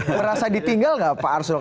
merasa ditinggal nggak pak arsul